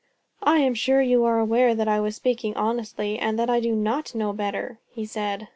"I am sure you are aware that I was speaking honestly, and that I do not know better?" he said.